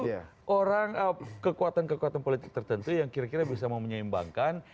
karena dibutuh orang kekuatan kekuatan politik tertentu yang kira kira bisa memenyeimbangkan